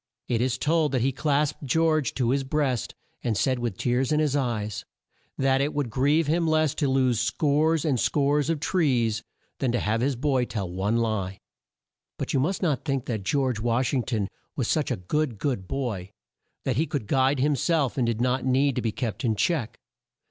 It is told that he clasped George to his breast, and said with tears in his eyes; that it would grieve him less to lose scores and scores of trees, than to have his boy tell one lie. But you must not think that George Wash ing ton was such a good good boy that he could guide him self, and did not need to be kept in check.